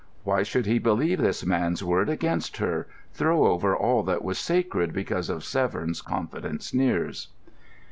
Why should he believe this man's word against her, throw over all that was sacred because of Severn's confident sneers?